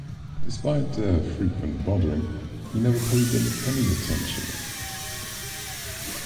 Despite their frequent bothering, he never paid them any attention.